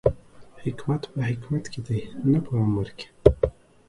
حکمت په حکمت کې دی، نه په عمر کې